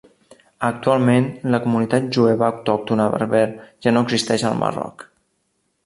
Actualment la comunitat jueva autòctona berber ja no existeix al Marroc.